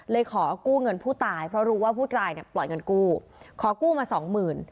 ขอกู้เงินผู้ตายเพราะรู้ว่าผู้ตายเนี่ยปล่อยเงินกู้ขอกู้มาสองหมื่น